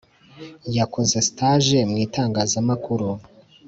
yakoze stage mu itangazamakuru.